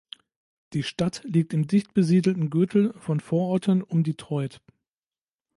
Die Stadt liegt im dicht besiedelten Gürtel von Vororten um Detroit.